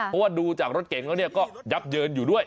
เพราะว่าดูจากรถเก่งแล้วก็ยับเยินอยู่ด้วย